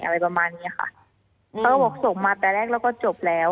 อะไรประมาณเนี้ยค่ะเขาก็บอกส่งมาแต่แรกแล้วก็จบแล้ว